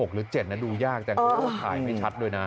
หรือ๗นะดูยากแต่รู้ว่าถ่ายไม่ชัดด้วยนะ